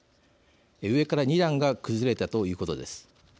上から２段が崩れたということです。